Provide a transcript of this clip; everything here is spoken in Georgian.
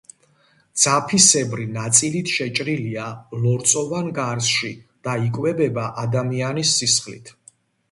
ძაფისებრი ნაწილით შეჭრილია ლორწოვან გარსში და იკვებება ადამიანის სისხლით.